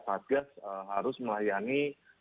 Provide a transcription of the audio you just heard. satgas harus melayani